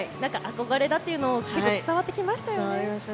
憧れだというのが伝わってきましたよね。